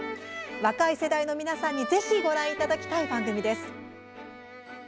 若い世代の皆さんにぜひご覧いただきたい番組です。